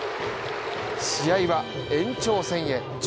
試合は延長戦へ。